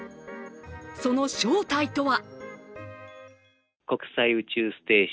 その正体とは。